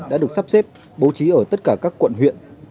đã được sắp xếp bố trí ở tất cả các quận huyện